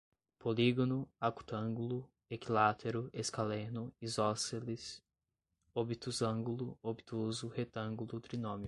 polígono, acutângulo, equilátero, escaleno, isósceles, obtusângulo, obtuso, retângulo, trinômio